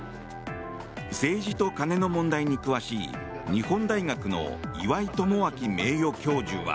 政治と金の問題に詳しい日本大学の岩井奉信名誉教授は。